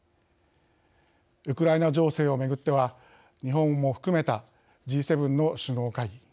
ウクライナ情勢をめぐっては日本も含めたＧ７の首脳会議